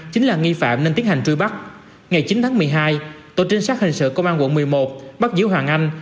chính là nghi phạm nên tiến hành truy bắt ngày chín tháng một mươi hai tổ trinh sát hình sự công an quận một mươi một bắt giữ hoàng anh